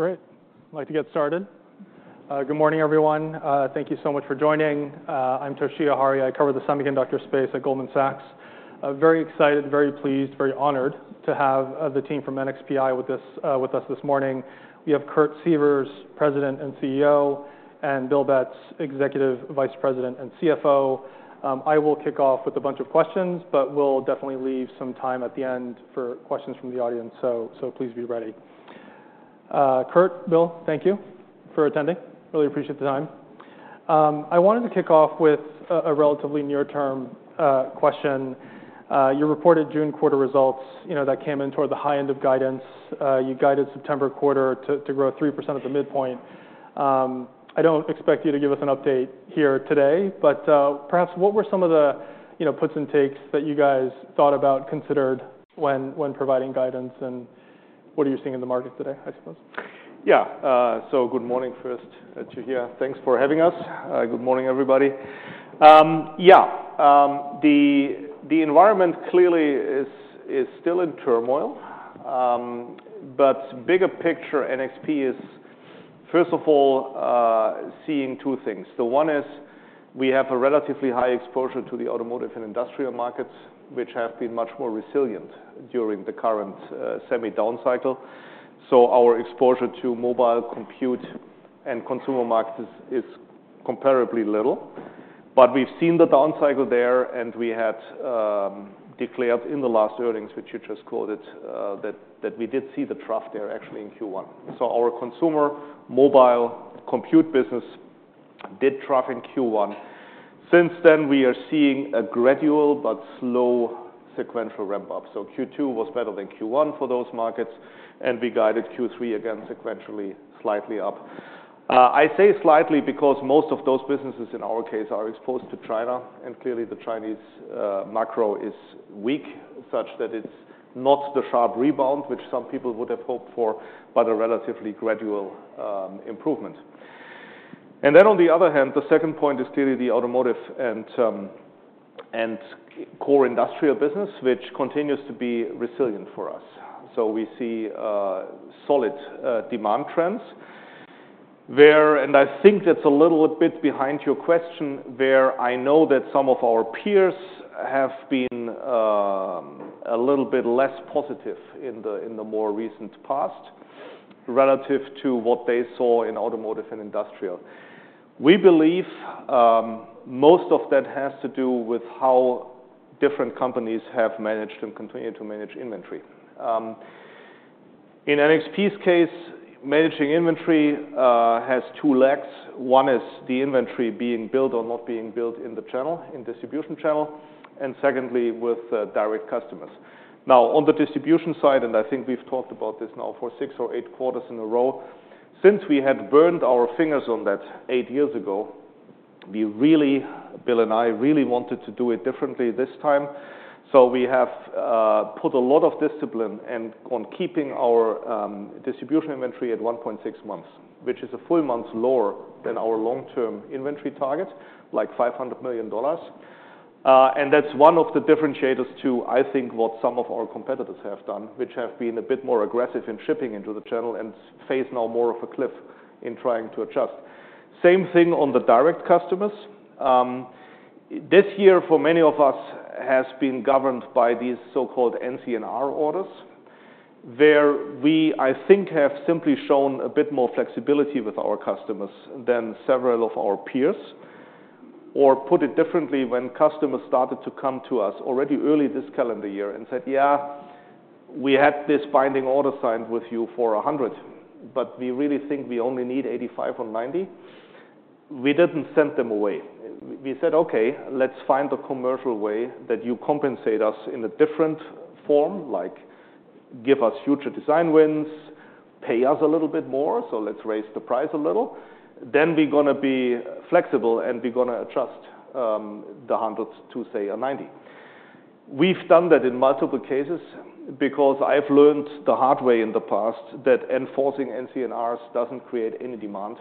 Great! I'd like to get started. Good morning, everyone. Thank you so much for joining. I'm Toshiya Hari. I cover the semiconductor space at Goldman Sachs. I'm very excited, very pleased, very honored to have the team from NXP with us this morning. We have Kurt Sievers, President and CEO, and Bill Betz, Executive Vice President and CFO. I will kick off with a bunch of questions, but we'll definitely leave some time at the end for questions from the audience, so please be ready. Kurt, Bill, thank you for attending. Really appreciate the time. I wanted to kick off with a relatively near term question. You reported June quarter results, you know, that came in toward the high end of guidance. You guided September quarter to grow 3% at the midpoint. I don't expect you to give us an update here today, but perhaps, what were some of the, you know, puts and takes that you guys thought about, considered when providing guidance, and what are you seeing in the market today, I suppose? Yeah. So good morning, first, Toshiya. Thanks for having us. Good morning, everybody. The environment clearly is still in turmoil, but bigger picture, NXP is, first of all, seeing two things. The one is, we have a relatively high exposure to the automotive and industrial markets, which have been much more resilient during the current semi downcycle. So our exposure to mobile, compute, and consumer markets is comparably little, but we've seen the downcycle there, and we had declared in the last earnings, which you just quoted, that we did see the trough there actually in Q1. So our consumer, mobile, compute business did trough in Q1. Since then, we are seeing a gradual but slow sequential ramp-up. So Q2 was better than Q1 for those markets, and we guided Q3 again sequentially, slightly up. I say slightly because most of those businesses, in our case, are exposed to China, and clearly, the Chinese macro is weak, such that it's not the sharp rebound which some people would have hoped for, but a relatively gradual improvement. And then, on the other hand, the second point is clearly the automotive and core industrial business, which continues to be resilient for us. So we see solid demand trends. And I think that's a little bit behind your question, where I know that some of our peers have been a little bit less positive in the more recent past relative to what they saw in automotive and industrial. We believe most of that has to do with how different companies have managed and continue to manage inventory. In NXP's case, managing inventory has two legs. One is the inventory being built or not being built in the channel, in distribution channel, and secondly, with direct customers. Now, on the distribution side, and I think we've talked about this now for six or eight quarters in a row, since we had burned our fingers on that eight years ago, we really, Bill and I, really wanted to do it differently this time. So we have put a lot of discipline and on keeping our distribution inventory at 1.6 months, which is a full month lower than our long-term inventory target, like $500 million. And that's one of the differentiators to, I think, what some of our competitors have done, which have been a bit more aggressive in shipping into the channel and face now more of a cliff in trying to adjust. Same thing on the direct customers. This year, for many of us, has been governed by these so-called NCNR orders, where we, I think, have simply shown a bit more flexibility with our customers than several of our peers. Or put it differently, when customers started to come to us already early this calendar year and said, "Yeah, we had this binding order signed with you for 100, but we really think we only need 85 or 90," we didn't send them away. We said, "Okay, let's find a commercial way that you compensate us in a different form, like give us future design wins, pay us a little bit more, so let's raise the price a little. Then we're gonna be flexible, and we're gonna adjust, the 100 to, say, a 90." We've done that in multiple cases because I've learned the hard way in the past that enforcing NCNRs doesn't create any demand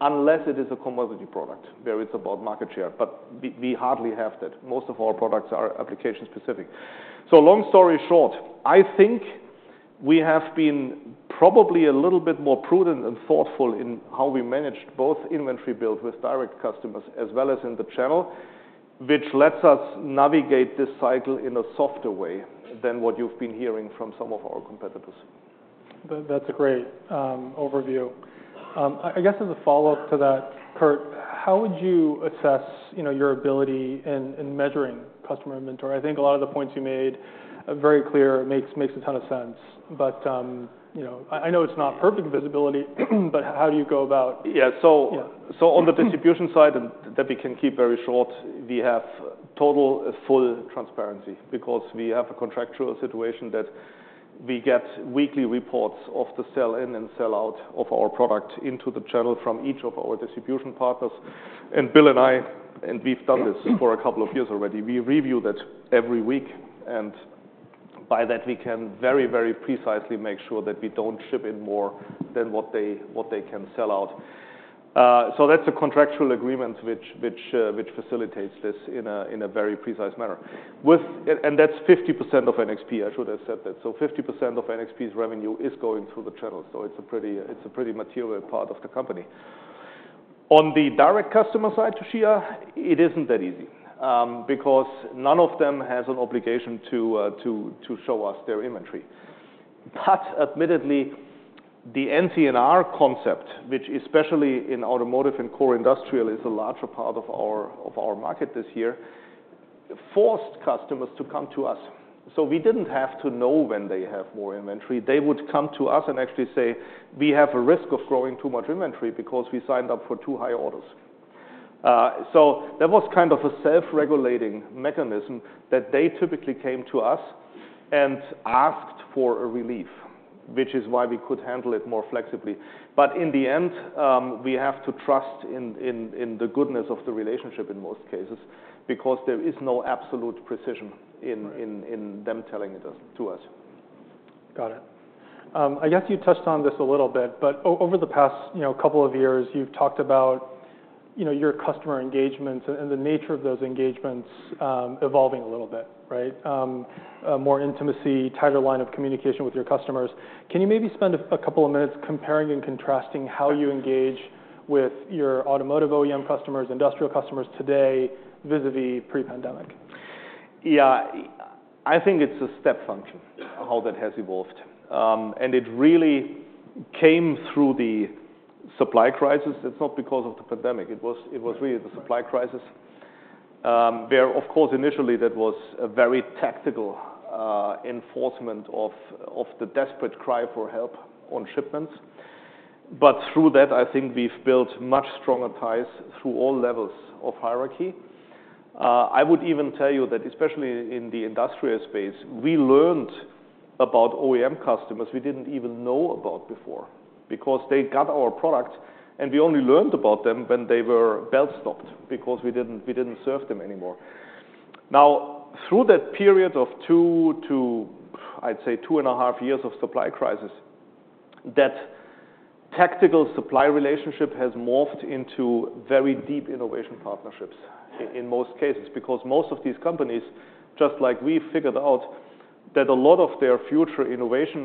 unless it is a commodity product, where it's about market share, but we, we hardly have that. Most of our products are application-specific. So long story short, I think we have been probably a little bit more prudent and thoughtful in how we managed both inventory build with direct customers as well as in the channel, which lets us navigate this cycle in a softer way than what you've been hearing from some of our competitors. That, that's a great overview. I guess as a follow-up to that, Kurt, how would you assess, you know, your ability in measuring customer inventory? I think a lot of the points you made are very clear, makes a ton of sense. But, you know, I know it's not perfect visibility, but how do you go about- Yeah. Yeah. So on the distribution side, and that we can keep very short, we have total, full transparency because we have a contractual situation that we get weekly reports of the sell-in and sell-out of our product into the channel from each of our distribution partners. And Bill and I, and we've done this for a couple of years already, we review that every week, and by that, we can very, very precisely make sure that we don't ship in more than what they can sell out. So that's a contractual agreement which facilitates this in a very precise manner. And that's 50% of NXP, I should have said that. So 50% of NXP's revenue is going through the channel, so it's a pretty material part of the company. On the direct customer side, Toshiya, it isn't that easy, because none of them has an obligation to show us their inventory. But admittedly, the NCNR concept, which especially in automotive and core industrial, is a larger part of our market this year, forced customers to come to us. So we didn't have to know when they have more inventory. They would come to us and actually say, "We have a risk of growing too much inventory because we signed up for too high orders." So that was kind of a self-regulating mechanism that they typically came to us and asked for a relief, which is why we could handle it more flexibly. But in the end, we have to trust in the goodness of the relationship in most cases, because there is no absolute precision in- Right.... in them telling it to us. Got it. I guess you touched on this a little bit, but over the past, you know, couple of years, you've talked about, you know, your customer engagements and, and the nature of those engagements, evolving a little bit, right? More intimacy, tighter line of communication with your customers. Can you maybe spend a couple of minutes comparing and contrasting how you engage with your automotive OEM customers, industrial customers today, vis-a-vis pre-pandemic? Yeah. I think it's a step function, how that has evolved. And it really came through the supply crisis. It's not because of the pandemic, it was really- Right.... the supply crisis. Where, of course, initially, that was a very tactical enforcement of the desperate cry for help on shipments. But through that, I think we've built much stronger ties through all levels of hierarchy. I would even tell you that, especially in the industrial space, we learned about OEM customers we didn't even know about before, because they got our product, and we only learned about them when they were belt-stopped, because we didn't serve them anymore. Now, through that period of two to, I'd say, two and 1/2 years of supply crisis, that tactical supply relationship has morphed into very deep innovation partnerships in most cases, because most of these companies, just like we figured out, that a lot of their future innovation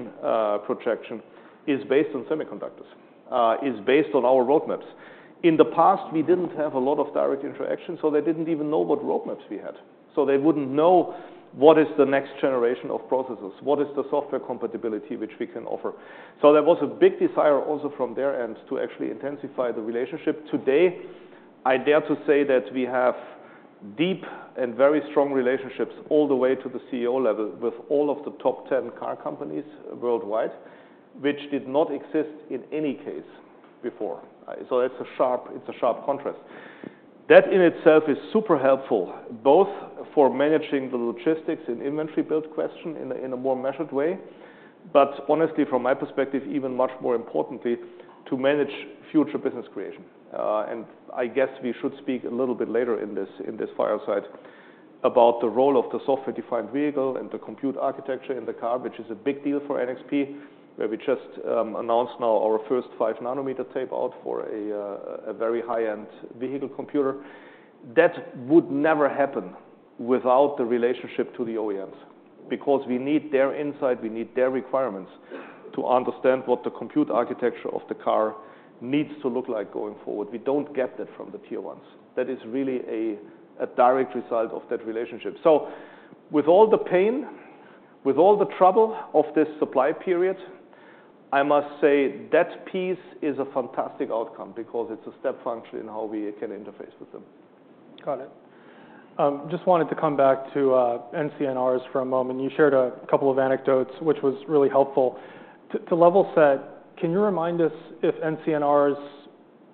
projection is based on semiconductors is based on our roadmaps. In the past, we didn't have a lot of direct interaction, so they didn't even know what roadmaps we had, so they wouldn't know what is the next generation of processes, what is the software compatibility which we can offer. So there was a big desire also from their end to actually intensify the relationship. Today, I dare to say that we have deep and very strong relationships all the way to the CEO level with all of the top ten car companies worldwide, which did not exist in any case before. So it's a sharp contrast. That in itself is super helpful, both for managing the logistics and inventory build question in a more measured way, but honestly, from my perspective, even much more importantly, to manage future business creation. And I guess we should speak a little bit later in this fireside about the role of the software-defined vehicle and the compute architecture in the car, which is a big deal for NXP, where we just announced now our first five-nanometer tape out for a very high-end vehicle computer. That would never happen without the relationship to the OEMs, because we need their insight, we need their requirements to understand what the compute architecture of the car needs to look like going forward. We don't get that from the Tier 1s. That is really a direct result of that relationship. So with all the pain, with all the trouble of this supply period, I must say that piece is a fantastic outcome because it's a step function in how we can interface with them. Got it. Just wanted to come back to NCNRs for a moment. You shared a couple of anecdotes, which was really helpful. To level set, can you remind us if NCNRs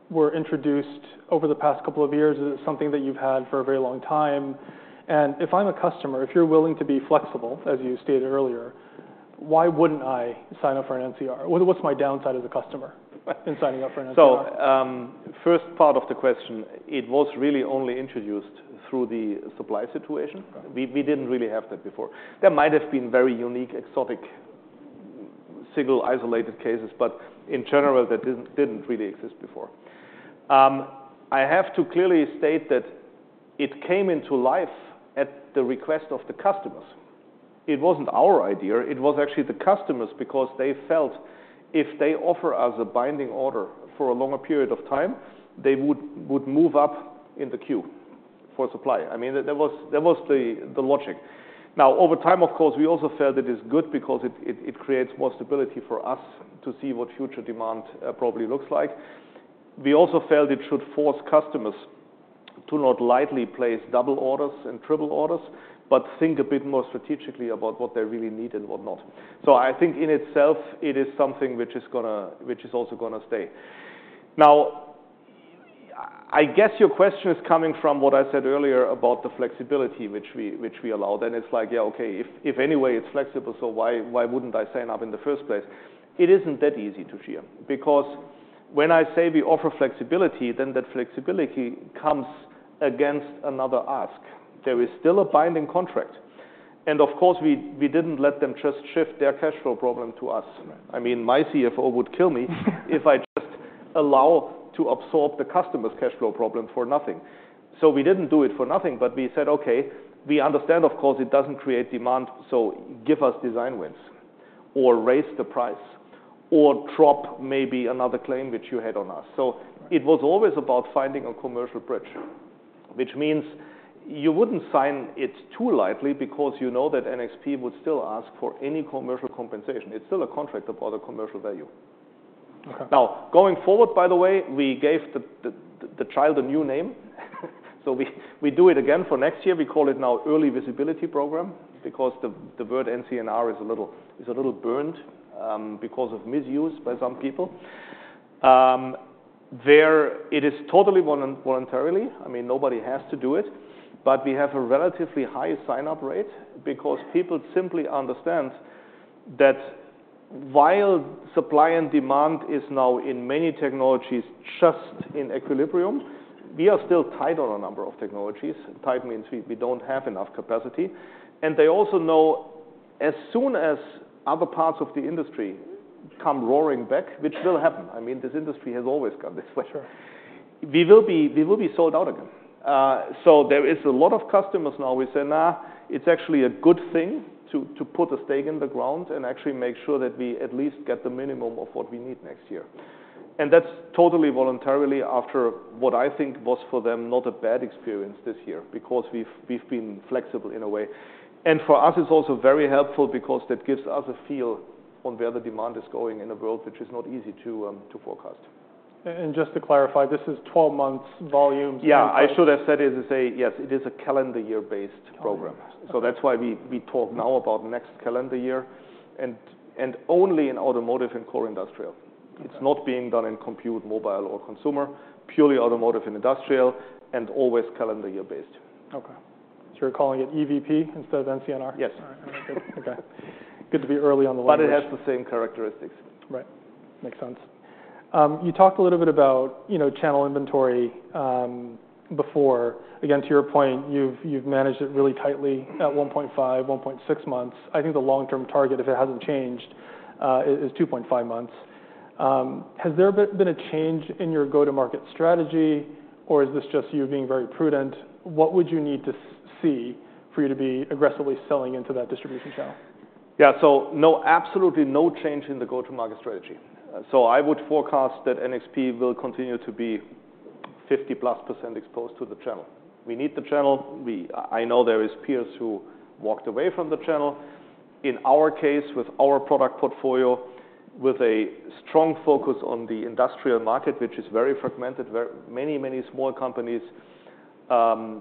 were introduced over the past couple of years, is it something that you've had for a very long time? And if I'm a customer, if you're willing to be flexible, as you stated earlier, why wouldn't I sign up for an NCNR? What's my downside as a customer in signing up for an NCNR? First part of the question, it was really only introduced through the supply situation. Got it. We didn't really have that before. There might have been very unique, exotic, single, isolated cases, but in general, that didn't really exist before. I have to clearly state that it came into life at the request of the customers. It wasn't our idea, it was actually the customers, because they felt if they offer us a binding order for a longer period of time, they would move up in the queue for supply. I mean, there was the logic. Now, over time, of course, we also felt it is good because it creates more stability for us to see what future demand probably looks like. We also felt it should force customers to not lightly place double orders and triple orders, but think a bit more strategically about what they really need and what not. So I think in itself, it is something which is also gonna stay. Now, I guess your question is coming from what I said earlier about the flexibility which we allow, then it's like, yeah, okay, if any way it's flexible, so why wouldn't I sign up in the first place? It isn't that easy, Toshiya, because when I say we offer flexibility, then that flexibility comes against another ask. There is still a binding contract. And of course, we didn't let them just shift their cash flow problem to us. I mean, my CFO would kill me if I just allow to absorb the customer's cash flow problem for nothing. So we didn't do it for nothing, but we said, "Okay, we understand, of course, it doesn't create demand, so give us design wins or raise the price or drop maybe another claim which you had on us." So it was always about finding a commercial bridge, which means you wouldn't sign it too lightly because you know that NXP would still ask for any commercial compensation. It's still a contract about a commercial value. Okay. Now, going forward, by the way, we gave the child a new name. So we do it again for next year. We call it now Early Visibility Program because the word NCNR is a little burned, because of misuse by some people. It is totally voluntary. I mean, nobody has to do it, but we have a relatively high sign-up rate because people simply understand that while supply and demand is now in many technologies, just in equilibrium, we are still tight on a number of technologies. Tight means we don't have enough capacity. And they also know as soon as other parts of the industry come roaring back, which will happen, I mean, this industry has always gone this way. Sure. We will be sold out again. So there is a lot of customers now who say, "Nah, it's actually a good thing to put a stake in the ground and actually make sure that we at least get the minimum of what we need next year." And that's totally voluntarily after what I think was for them, not a bad experience this year, because we've been flexible in a way. And for us, it's also very helpful because that gives us a feel on where the demand is going in the world, which is not easy to forecast. Just to clarify, this is 12 months volume? Yeah, I should have said it—yes, it is a calendar year-based program. Okay. So that's why we talk now about next calendar year and only in automotive and core industrial. Okay. It's not being done in compute, mobile, or consumer. Purely automotive and industrial, and always calendar year-based. Okay. So you're calling it EVP instead of NCNR? Yes. All right. Okay. Good to be early on the line- But it has the same characteristics. Right. Makes sense. You talked a little bit about, you know, channel inventory, before. Again, to your point, you've, you've managed it really tightly at 1.5, 1.6 months. I think the long-term target, if it hasn't changed, is, is 2.5 months. Has there been a change in your go-to-market strategy, or is this just you being very prudent? What would you need to see for you to be aggressively selling into that distribution channel? Yeah. So no, absolutely no change in the go-to-market strategy. So I would forecast that NXP will continue to be 50%+ exposed to the channel. We need the channel. I know there is peers who walked away from the channel. In our case, with our product portfolio, with a strong focus on the industrial market, which is very fragmented, very many, many small companies, for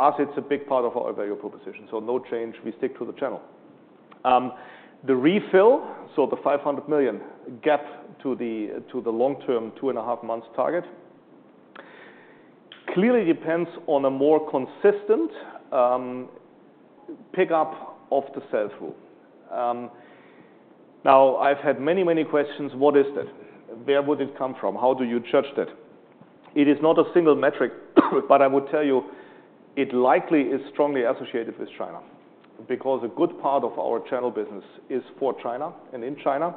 us, it's a big part of our value proposition. So no change, we stick to the channel. The refill, so the $500 million gap to the, to the long-term 2.5-month target, clearly depends on a more consistent, pick up of the sell-through. Now, I've had many, many questions: What is that? Where would it come from? How do you judge that? It is not a single metric, but I would tell you it likely is strongly associated with China, because a good part of our channel business is for China and in China. And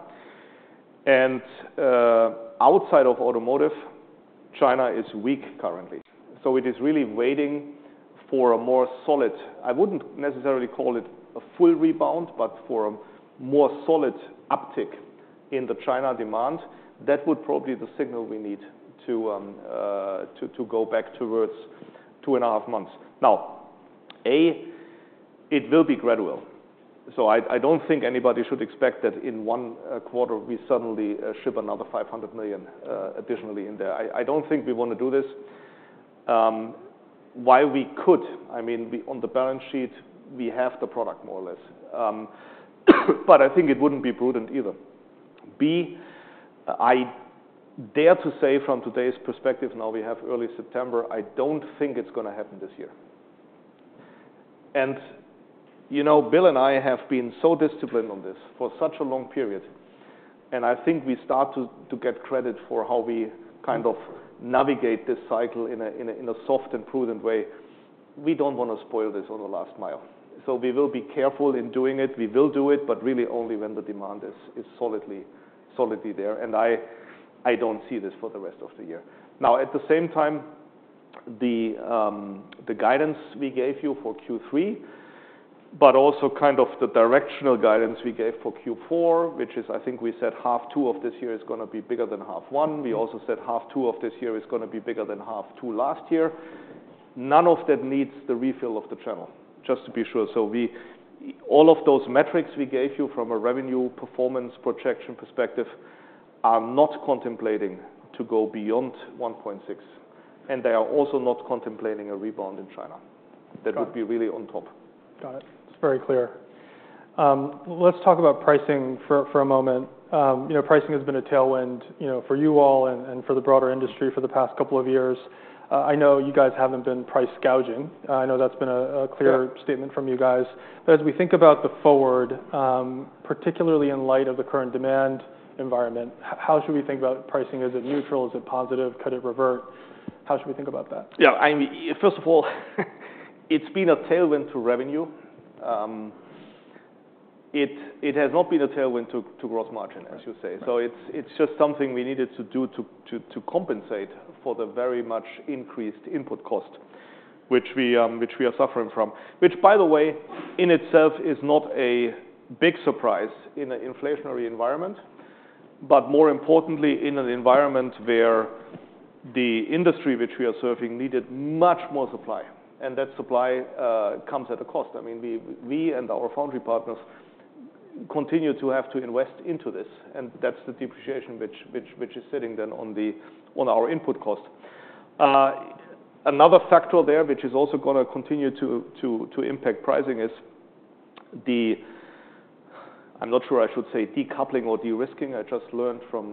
outside of automotive, China is weak currently, so it is really waiting for a more solid... I wouldn't necessarily call it a full rebound, but for a more solid uptick in the China demand, that would probably be the signal we need to go back towards two and a half months. Now, it will be gradual. So I don't think anybody should expect that in one quarter, we suddenly ship another $500 million additionally in there. I don't think we want to do this. While we could, I mean, we on the balance sheet, we have the product, more or less. But I think it wouldn't be prudent either. I dare to say from today's perspective, now we have early September, I don't think it's gonna happen this year. And, you know, Bill and I have been so disciplined on this for such a long period, and I think we start to get credit for how we kind of navigate this cycle in a soft and prudent way. We don't want to spoil this on the last mile. So we will be careful in doing it. We will do it, but really only when the demand is solidly there. And I don't see this for the rest of the year. Now, at the same time, the guidance we gave you for Q3, but also kind of the directional guidance we gave for Q4, which is, I think we said half two of this year is gonna be bigger than half one. We also said half two of this year is gonna be bigger than half two last year. None of that needs the refill of the channel, just to be sure. So we—all of those metrics we gave you from a revenue performance projection perspective are not contemplating to go beyond $1.6, and they are also not contemplating a rebound in China. Got it. That would be really on top. Got it. It's very clear. Let's talk about pricing for a moment. You know, pricing has been a tailwind, you know, for you all and for the broader industry for the past couple of years. I know you guys haven't been price gouging. I know that's been a, a- Yeah.... clear statement from you guys. But as we think about the forward, particularly in light of the current demand environment, how should we think about pricing? Is it neutral? Is it positive? Could it revert? How should we think about that? Yeah, I mean, first of all, it's been a tailwind to revenue. It has not been a tailwind to gross margin, I should say. So it's just something we needed to do to compensate for the very much increased input cost, which we are suffering from. Which, by the way, in itself is not a big surprise in an inflationary environment, but more importantly, in an environment where the industry which we are serving needed much more supply, and that supply comes at a cost. I mean, we and our foundry partners continue to have to invest into this, and that's the depreciation which is sitting then on our input cost. Another factor there, which is also gonna continue to impact pricing, is the—I'm not sure I should say decoupling or de-risking. I just learned from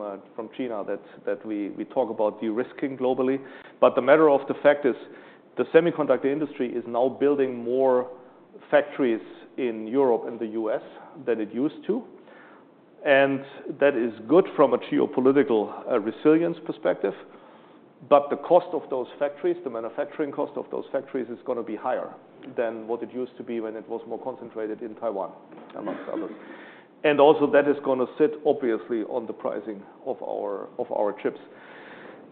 Gina Raimondo that we talk about de-risking globally. But the matter of the fact is, the semiconductor industry is now building more factories in Europe and the U.S. than it used to, and that is good from a geopolitical resilience perspective. But the cost of those factories, the manufacturing cost of those factories, is gonna be higher than what it used to be when it was more concentrated in Taiwan, amongst others. And also, that is gonna sit obviously on the pricing of our chips.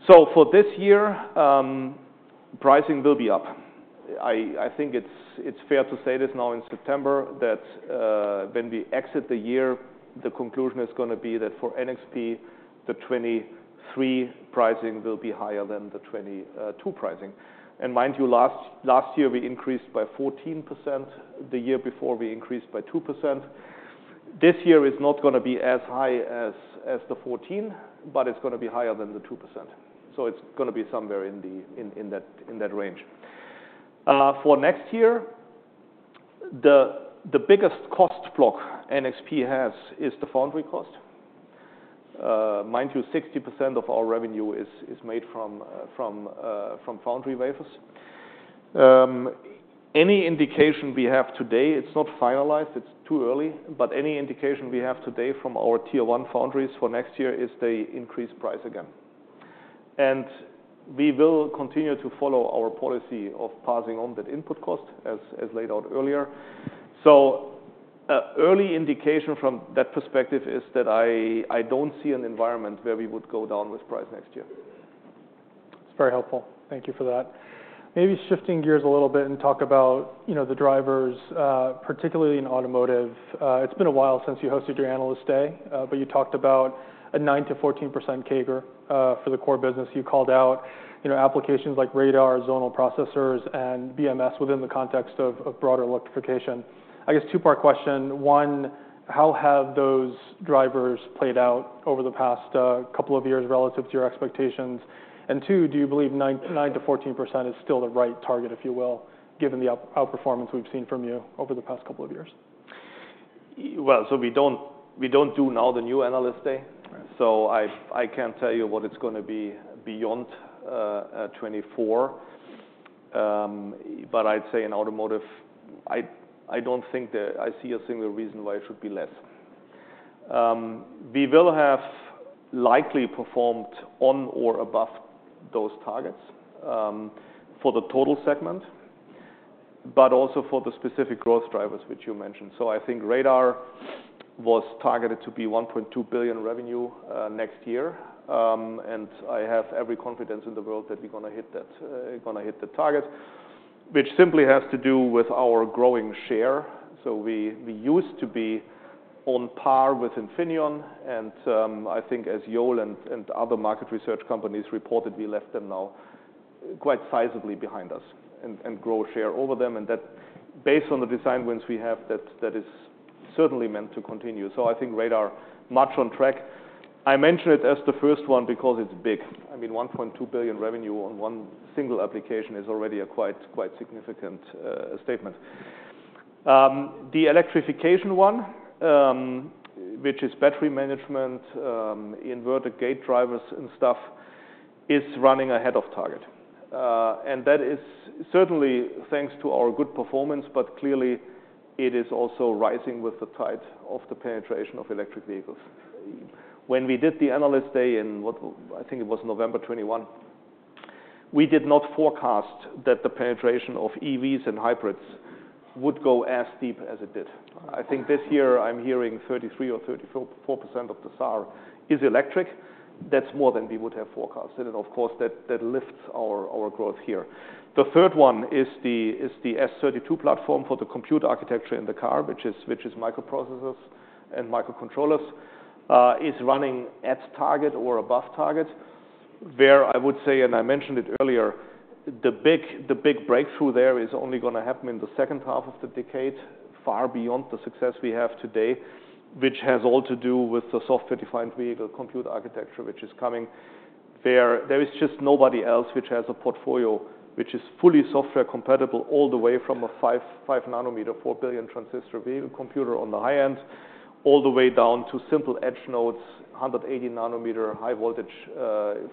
So for this year, pricing will be up. I think it's fair to say this now in September that when we exit the year, the conclusion is gonna be that for NXP, the 2023 pricing will be higher than the 2022 pricing. And mind you, last year, we increased by 14%. The year before, we increased by 2%. This year is not gonna be as high as the 14%, but it's gonna be higher than the 2%, so it's gonna be somewhere in that range. For next year, the biggest cost block NXP has is the foundry cost. Mind you, 60% of our revenue is made from foundry wafers. Any indication we have today, it's not finalized, it's too early, but any indication we have today from our Tier 1 foundries for next year is they increase price again. We will continue to follow our policy of passing on that input cost, as laid out earlier. Early indication from that perspective is that I don't see an environment where we would go down with price next year. It's very helpful. Thank you for that. Maybe shifting gears a little bit and talk about, you know, the drivers, particularly in automotive. It's been a while since you hosted your Analyst Day, but you talked about a 9%-14% CAGR for the core business. You called out, you know, applications like radar, zonal processors, and BMS within the context of broader electrification. I guess two-part question: one, how have those drivers played out over the past couple of years relative to your expectations? And two, do you believe 9%, 9%-14% is still the right target, if you will, given the outperformance we've seen from you over the past couple of years? Well, we don't do now the new Analyst Day- Right. So I can't tell you what it's gonna be beyond 2024. But I'd say in automotive, I don't think that I see a single reason why it should be less. We will have likely performed on or above those targets for the total segment, but also for the specific growth drivers, which you mentioned. So I think radar was targeted to be $1.2 billion revenue next year. And I have every confidence in the world that we're gonna hit that, gonna hit the target, which simply has to do with our growing share. So we used to be on par with Infineon, and I think as Yole and other market research companies reported, we left them now quite sizably behind us and grow share over them, and that based on the design wins we have, that is certainly meant to continue. So I think radar, much on track. I mentioned it as the first one because it's big. I mean, $1.2 billion revenue on one single application is already a quite, quite significant statement. The electrification one, which is battery management, inverter gate drivers and stuff, is running ahead of target. And that is certainly thanks to our good performance, but clearly, it is also rising with the tide of the penetration of electric vehicles. When we did the Analyst Day in what... I think it was November 2021, we did not forecast that the penetration of EVs and hybrids would go as deep as it did. I think this year I'm hearing 33% or 34.4% of the SAR is electric. That's more than we would have forecasted, and of course, that, that lifts our, our growth here. The third one is the S32 platform for the computer architecture in the car, which is, which is microprocessors and microcontrollers, is running at target or above target. Where I would say, and I mentioned it earlier, the big, the big breakthrough there is only gonna happen in the second half of the decade, far beyond the success we have today, which has all to do with the software-defined vehicle computer architecture, which is coming. There, there is just nobody else which has a portfolio which is fully software compatible all the way from a 5.5-nanometer, 4-billion transistor vehicle computer on the high end, all the way down to simple edge nodes, 180-nanometer, high voltage,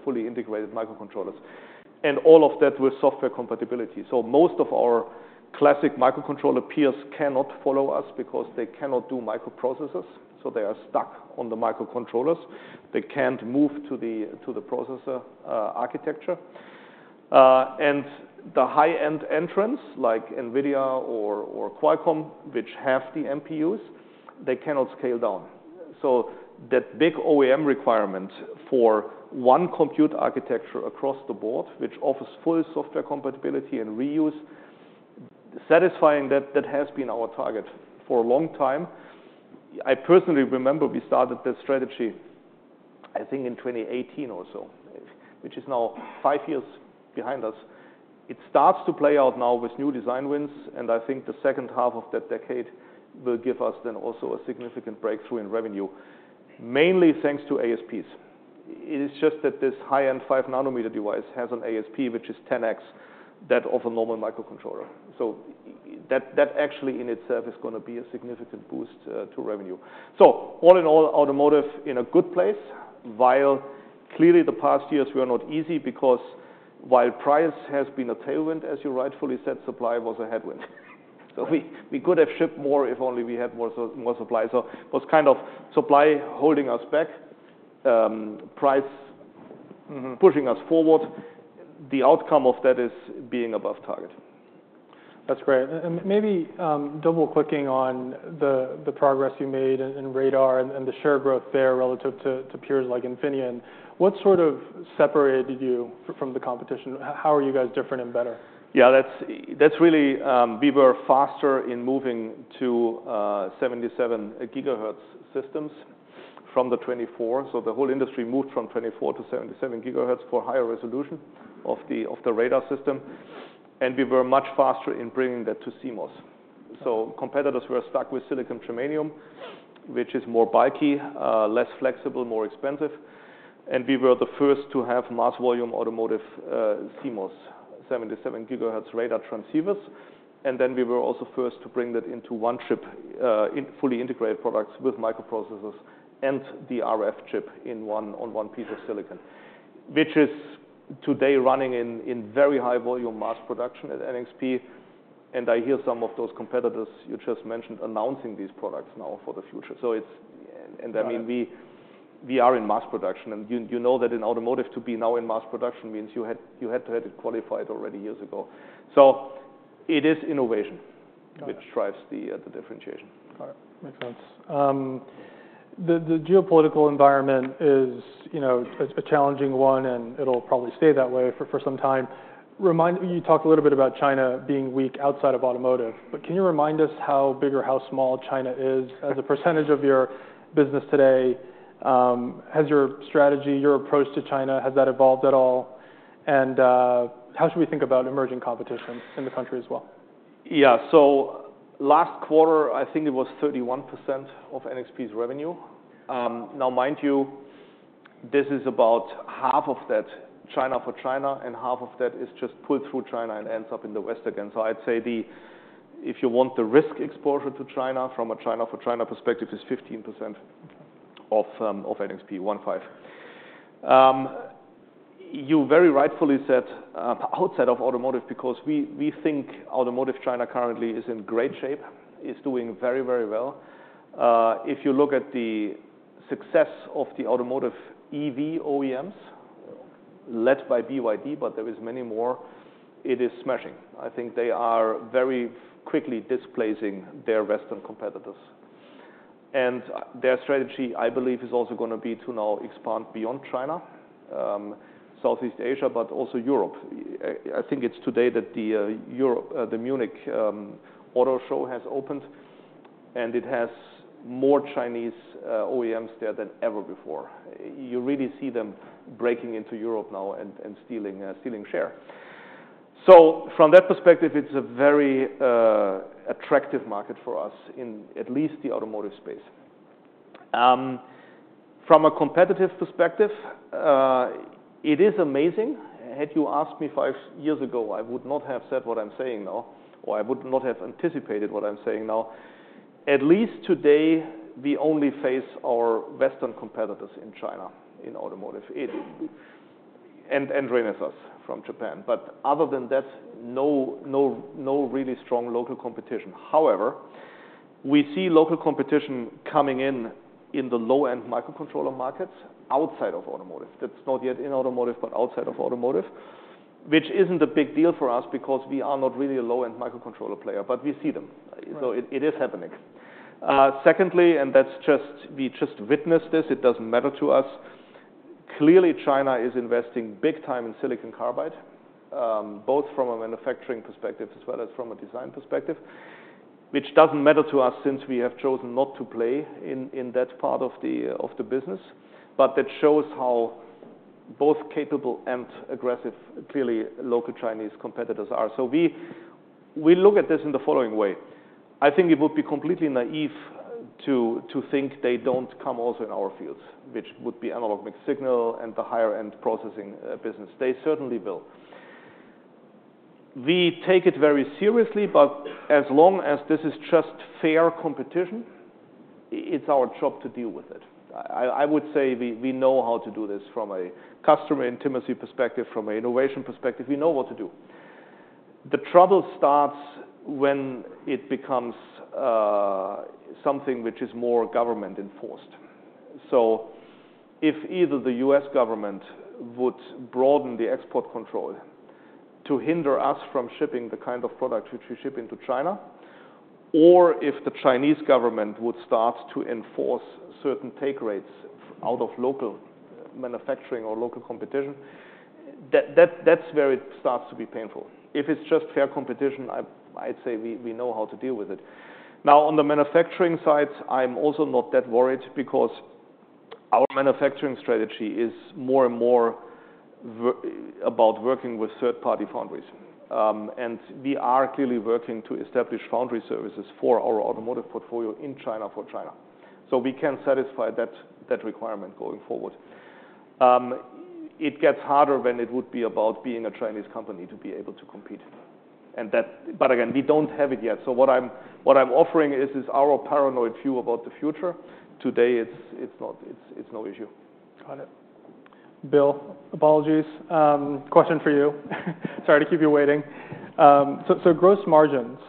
fully integrated microcontrollers, and all of that with software compatibility. So most of our classic microcontroller peers cannot follow us because they cannot do microprocessors, so they are stuck on the microcontrollers. They can't move to the processor architecture. And the high-end entrants, like NVIDIA or Qualcomm, which have the MPUs, they cannot scale down. So that big OEM requirement for one compute architecture across the board, which offers full software compatibility and reuse, satisfying that has been our target for a long time. I personally remember we started this strategy, I think, in 2018 or so, which is now five years behind us. It starts to play out now with new design wins, and I think the second half of that decade will give us then also a significant breakthrough in revenue, mainly thanks to ASPs. It is just that this high-end 5-nanometer device has an ASP, which is 10x that of a normal microcontroller. So that, that actually in itself is gonna be a significant boost to revenue. So all in all, automotive in a good place, while clearly the past years were not easy because while price has been a tailwind, as you rightfully said, supply was a headwind. So we could have shipped more if only we had more supply. So it was kind of supply holding us back, price- Mm-hmm.... pushing us forward. The outcome of that is being above target. That's great. And maybe double-clicking on the progress you made in radar and the share growth there relative to peers like Infineon, what sort of separated you from the competition? How are you guys different and better? Yeah, that's really. We were faster in moving to 77 GHz systems from the 24 GHz. So the whole industry moved from 24 GHz-77 GHz for higher resolution of the radar system, and we were much faster in bringing that to CMOS. So competitors were stuck with silicon germanium, which is more bulky, less flexible, more expensive, and we were the first to have mass volume automotive CMOS 77 GHz radar transceivers. And then we were also first to bring that into one chip in fully integrated products with microprocessors and the RF chip in one on one piece of silicon, which is today running in very high volume mass production at NXP. And I hear some of those competitors you just mentioned announcing these products now for the future. So it's, and I mean, we are in mass production, and you know that in automotive, to be now in mass production means you had to have it qualified already years ago. So it is innovation- Got it.... which drives the differentiation. All right. Makes sense. The geopolitical environment is, you know, it's a challenging one, and it'll probably stay that way for some time. Remind—you talked a little bit about China being weak outside of automotive, but can you remind us how big or how small China is as a percentage of your business today? Has your strategy, your approach to China, has that evolved at all? And, how should we think about emerging competition in the country as well? Yeah. So last quarter, I think it was 31% of NXP's revenue. Now, mind you, this is about half of that China for China, and half of that is just pulled through China and ends up in the West again. So I'd say the-- if you want the risk exposure to China from a China for China perspective, is 15% of, of NXP, 15. You very rightfully said, outside of automotive, because we think automotive China currently is in great shape, is doing very, very well. If you look at the success of the automotive EV OEMs, led by BYD, but there is many more, it is smashing. I think they are very quickly displacing their Western competitors. And, their strategy, I believe, is also gonna be to now expand beyond China, Southeast Asia, but also Europe. I think it's today that the Munich Auto Show has opened, and it has more Chinese OEMs there than ever before. You really see them breaking into Europe now and stealing share. So from that perspective, it's a very attractive market for us in at least the automotive space. From a competitive perspective, it is amazing. Had you asked me five years ago, I would not have said what I'm saying now, or I would not have anticipated what I'm saying now. At least today, we only face our Western competitors in China in automotive and Renesas from Japan, but other than that, no really strong local competition. However, we see local competition coming in the low-end microcontroller markets outside of automotive. That's not yet in automotive, but outside of automotive, which isn't a big deal for us because we are not really a low-end microcontroller player, but we see them. Right. So it is happening. Secondly, and that's just we just witnessed this, it doesn't matter to us. Clearly, China is investing big time in silicon carbide, both from a manufacturing perspective as well as from a design perspective, which doesn't matter to us since we have chosen not to play in that part of the business. But that shows how both capable and aggressive, clearly, local Chinese competitors are. So we look at this in the following way: I think it would be completely naive to think they don't come also in our fields, which would be analog mixed signal and the higher-end processing business. They certainly will. We take it very seriously, but as long as this is just fair competition, it's our job to deal with it. I would say we know how to do this from a customer intimacy perspective, from an innovation perspective. We know what to do.... The trouble starts when it becomes something which is more government enforced. So if either the U.S. government would broaden the export control to hinder us from shipping the kind of product which we ship into China, or if the Chinese government would start to enforce certain take rates out of local manufacturing or local competition, that's where it starts to be painful. If it's just fair competition, I'd say we know how to deal with it. Now, on the manufacturing side, I'm also not that worried because our manufacturing strategy is more and more about working with third-party foundries. And we are clearly working to establish foundry services for our automotive portfolio in China, for China, so we can satisfy that requirement going forward. It gets harder when it would be about being a Chinese company to be able to compete, and that. But again, we don't have it yet. So what I'm offering is our paranoid view about the future. Today, it's not. It's no issue. Got it. Bill, apologies. Question for you. Sorry to keep you waiting. So, so gross margins,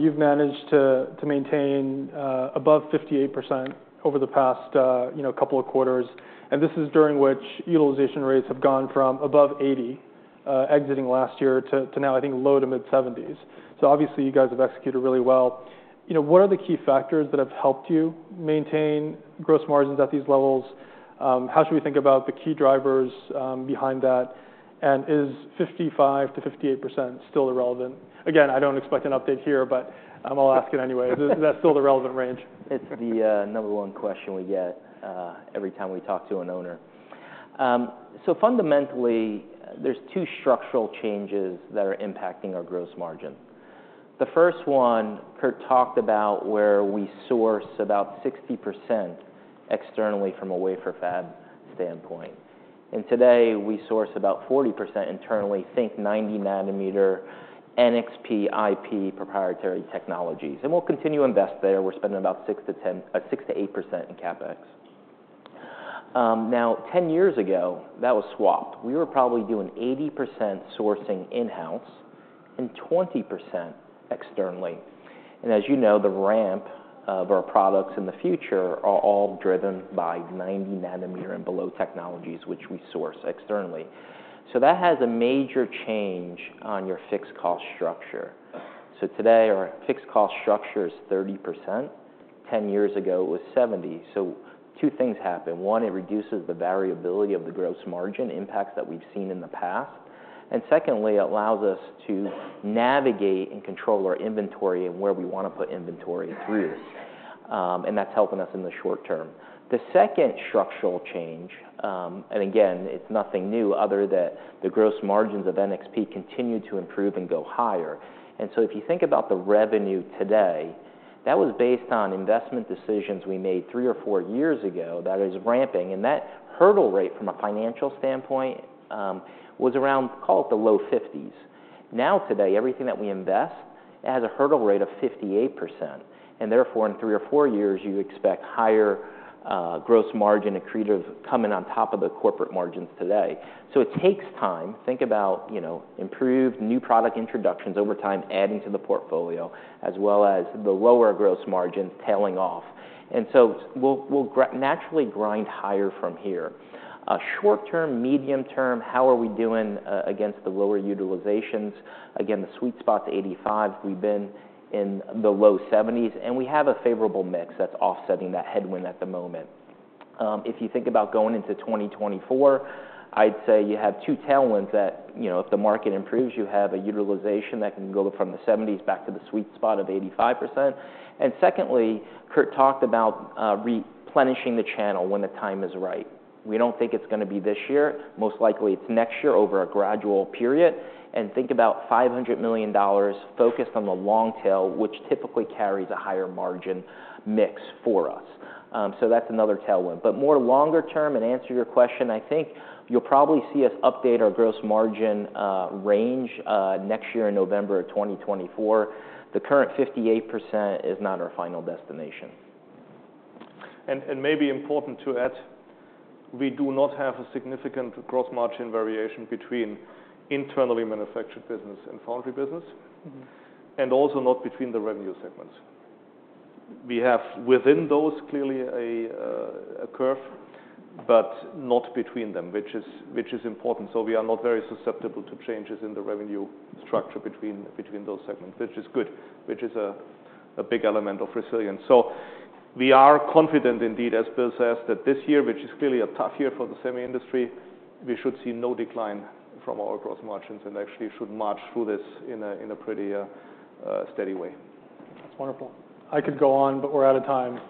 you've managed to, to maintain, above 58% over the past, you know, couple of quarters, and this is during which utilization rates have gone from above 80, exiting last year, to, to now, I think, low to mid-70s. So obviously, you guys have executed really well. You know, what are the key factors that have helped you maintain gross margins at these levels? How should we think about the key drivers, behind that? And is 55%-58% still irrelevant? Again, I don't expect an update here, but, I'll ask it anyway. Is that still the relevant range? It's the number one question we get every time we talk to an owner. So fundamentally, there's two structural changes that are impacting our gross margin. The first one, Kurt talked about where we source about 60% externally from a wafer fab standpoint, and today we source about 40% internally, think 90-nanometer NXP IP proprietary technologies. And we'll continue to invest there. We're spending about 6%-8% in CapEx. Now, 10 years ago, that was swapped. We were probably doing 80% sourcing in-house and 20% externally. And as you know, the ramp of our products in the future are all driven by 90-nanometer and below technologies, which we source externally. So that has a major change on your fixed cost structure. So today, our fixed cost structure is 30%. 10 years ago, it was 70. So two things happen. One, it reduces the variability of the gross margin impacts that we've seen in the past. And secondly, it allows us to navigate and control our inventory and where we wanna put inventory through, and that's helping us in the short term. The second structural change, and again, it's nothing new other than the gross margins of NXP continue to improve and go higher. And so if you think about the revenue today, that was based on investment decisions we made three or four years ago, that is ramping, and that hurdle rate, from a financial standpoint, was around, call it, the low 50s. Now, today, everything that we invest has a hurdle rate of 58%, and therefore, in three or four years, you expect higher gross margin accretive coming on top of the corporate margins today. So it takes time. Think about, you know, improved new product introductions over time, adding to the portfolio, as well as the lower gross margins tailing off. And so we'll naturally grind higher from here. Short term, medium term, how are we doing against the lower utilizations? Again, the sweet spot's 85. We've been in the low 70s, and we have a favorable mix that's offsetting that headwind at the moment. If you think about going into 2024, I'd say you have two tailwinds that, you know, if the market improves, you have a utilization that can go from the 70s back to the sweet spot of 85%. Secondly, Kurt talked about replenishing the channel when the time is right. We don't think it's gonna be this year. Most likely, it's next year over a gradual period, and think about $500 million focused on the long tail, which typically carries a higher margin mix for us. So that's another tailwind. But more longer term, and answer your question, I think you'll probably see us update our gross margin range next year in November 2024. The current 58% is not our final destination. And maybe important to add, we do not have a significant gross margin variation between internally manufactured business and foundry business. Mm-hmm. And also not between the revenue segments. We have, within those, clearly a, a curve, but not between them, which is, which is important. So we are not very susceptible to changes in the revenue structure between, between those segments, which is good, which is a, a big element of resilience. So we are confident indeed, as Bill says, that this year, which is clearly a tough year for the semi industry, we should see no decline from our gross margins and actually should march through this in a, in a pretty, steady way. That's wonderful. I could go on, but we're out of time.